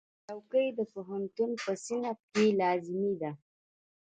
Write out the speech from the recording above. چوکۍ د پوهنتون په صنف کې لازمي ده.